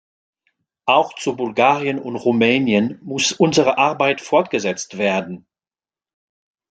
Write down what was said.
Auch zu Bulgarien und Rumänien muss unsere Arbeit fortgesetzt werden.